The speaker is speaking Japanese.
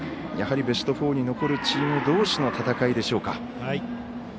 やはりベスト４に残るチームどうしの戦いでしょうか。